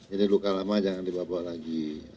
ini luka lama jangan dibawa lagi